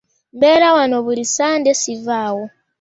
Mbeera wano buli ssande ssivaawo.